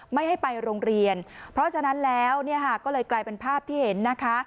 ไม่ให้ไปโรงเรียนเพราะฉะนั้นแล้วเนี่ยค่ะก็เลยกลายเป็นภาพที่เห็นนะคะ